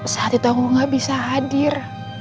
saat itu aku gak bisa hadir